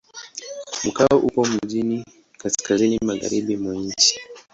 Mkoa upo mjini kaskazini-magharibi mwa nchi.